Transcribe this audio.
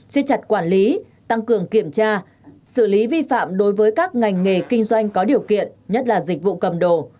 xếp chặt quản lý tăng cường kiểm tra xử lý vi phạm đối với các ngành nghề kinh doanh có điều kiện nhất là dịch vụ cầm đồ